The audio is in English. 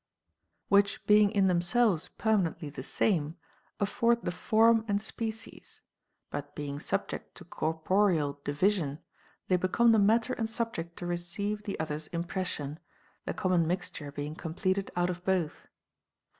Which, being in themselves permanently the same, afford the form and species ; but being subject to corporeal division, they become the matter and subject to receive the other's impression, the common mixture being completed out of both.